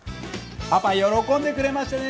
パパ喜んでくれましたね。